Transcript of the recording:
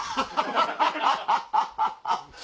ハハハハハ！